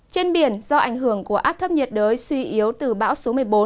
trên biển do ảnh hưởng của áp thấp nhiệt đới suy yếu từ bão số một mươi bốn